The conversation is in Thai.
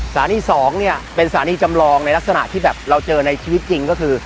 สถานี๒เนี่ยเป็นสถานีจำลองในลักษณะที่แบบเราเจอในชีวิตจริงก็คือ